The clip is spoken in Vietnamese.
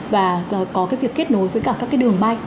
và có cái việc kết nối với cả các cái đường bay